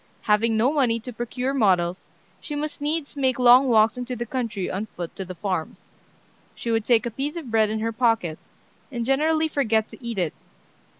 Having no money to procure models, she must needs make long walks into the country on foot to the farms. She would take a piece of bread in her pocket, and generally forget to eat it.